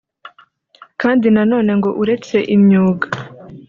Kandi na none ngo uretse imyuga